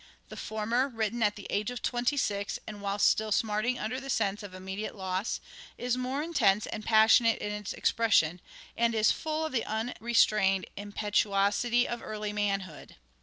The former, written at the age of twenty six, and whilst still smarting under the sense of im mediate loss, is more intense and passionate in its expression, and is full of the unrestrained impetuosity of early manhood.